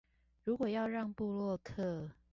如果要讓部落客